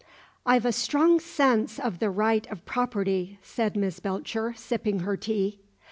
"I've a strong sense of the right of property," said Miss Belcher, sipping her tea.